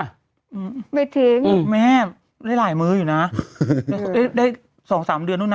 ไม่ทิ้งแม่ได้หลายมืออยู่นะได้๒๓เดือนละ